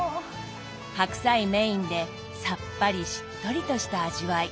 白菜メインでさっぱりしっとりとした味わい。